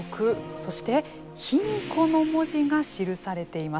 そして卑弥呼の文字が記されています。